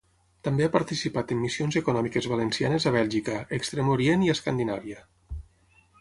També ha participat en missions econòmiques valencianes a Bèlgica, Extrem Orient i Escandinàvia.